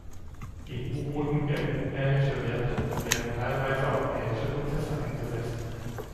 In U-Booten gelten ähnliche Werte und es werden teilweise auch ähnliche Prozesse eingesetzt.